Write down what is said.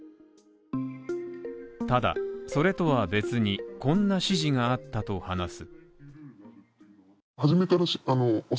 ただ、それとは別にこんな指示があったと話す。